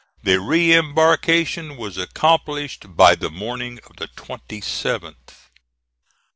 The re embarkation was accomplished by the morning of the 27th.